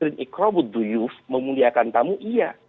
memuliakan tamu iya